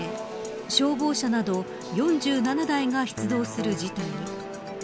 消防車など４７台が出動する事態に。